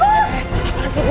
apaan sih ini